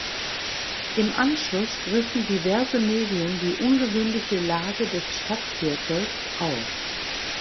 Im Anschluss griffen diverse Medien die ungewöhnliche Lage des Stadtviertels auf.